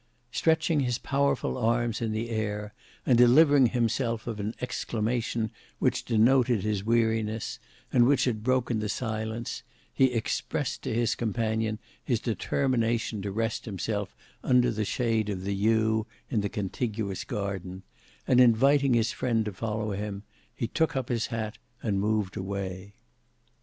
Stretching his powerful arms in the air, and delivering himself of an exclamation which denoted his weariness, and which had broken the silence, he expressed to his companion his determination to rest himself under the shade of the yew in the contiguous garden, and inviting his friend to follow him, he took up his hat and moved away.